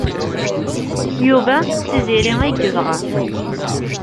Yuba d Tiziri ay yebɣa.